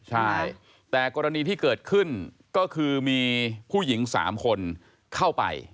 ใช่แต่กรณีที่เกิดขึ้นก็คือมีผู้หญิง๓คนเข้าไป